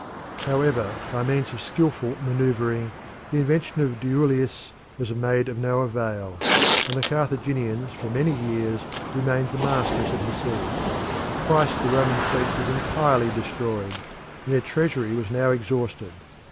However, by means of skilful manoeuvring the invention of Duilius was made of no avail, and the Carthaginians for many years remained the masters of the sea. Twice the Roman fleet was entirely destroyed, and their treasury was now exhausted.